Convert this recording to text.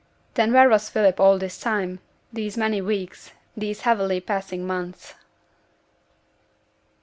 And where was Philip all this time, these many weeks, these heavily passing months?